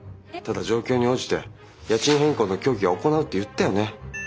ただ状況に応じて家賃変更の協議を行うって言ったよね。